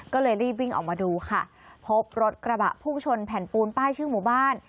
ก็เลยรีบวิ่งออกมาดูค่ะพบรถกระบะพุ่งชนแผ่นปูนป้ายชื่อหมู่บ้าน